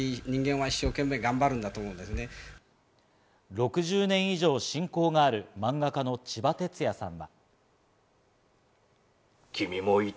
６０年以上、親交がある漫画家のちばてつやさんは。